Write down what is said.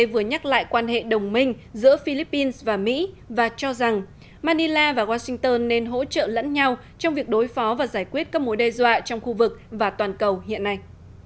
tôi vừa nhắc lại quan hệ đồng minh giữa philippines và mỹ và cho rằng manila và washington nên hỗ trợ lẫn nhau trong việc đối phó và giải quyết các mối đe dọa trong khu vực và toàn cầu hiện nay